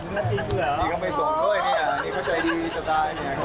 นี่เขาไปส่งด้วยนี่นี่เขาใจดีจังตายนี่เขาเข้าใจ